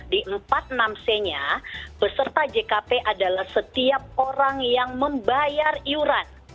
di empat puluh enam c nya peserta jkp adalah setiap orang yang membayar iuran